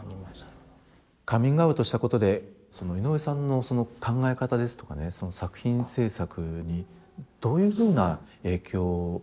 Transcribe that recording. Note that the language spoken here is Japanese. カミングアウトしたことでその井上さんの考え方ですとかね作品制作にどういうふうな影響を与えているというふうに思います？